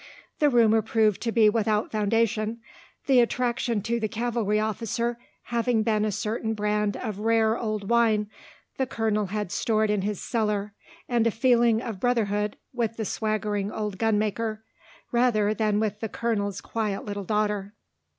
The rumour proved to be without foundation, the attraction to the cavalry officer having been a certain brand of rare old wine the colonel had stored in his cellar and a feeling of brotherhood with the swaggering old gun maker, rather than the colonel's quiet little daughter.